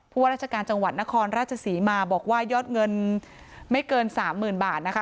ว่าราชการจังหวัดนครราชศรีมาบอกว่ายอดเงินไม่เกิน๓๐๐๐บาทนะคะ